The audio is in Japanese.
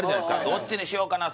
どっちにしようかな